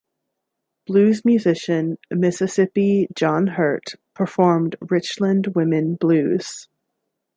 Blues musician Mississippi John Hurt performed "Richland Women Blues".